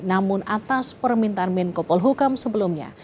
namun atas permintaan menko polhukam sebelumnya